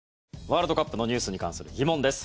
ワールドカップのニュースに関する疑問です。